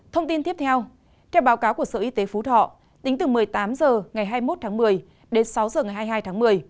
thông tin tiếp theo theo báo cáo của sở y tế phú thọ tính từ một mươi tám h ngày hai mươi một tháng một mươi đến sáu h ngày hai mươi hai tháng một mươi